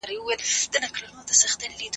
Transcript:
هغه څوک چي مکتب ځي زده کړه کوي!!